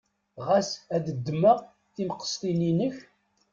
Ɣas ad ddmeɣ timqestin-inek?